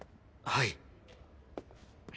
はい。